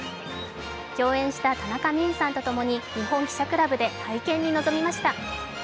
共演した田中泯さんとともに日本記者クラブで会見に臨みました。